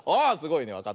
あすごいね。